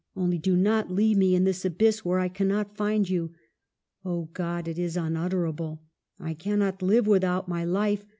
only do not leave me in this abyss where I cannot find you ! Oh, God, it is unutterable ! I cannot live without my life.